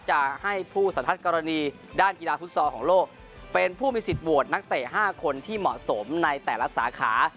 จะให้ผู้สันทัศน์กรณีด้านกีฬาฟุตซอลของโลกเป็นผู้มีสิทธิโหวตนักเตะ๕คนที่เหมาะสมในแต่ละสาขา